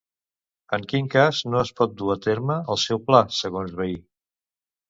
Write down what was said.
En quin cas no es pot dur a terme el seu pla, segons Vehí?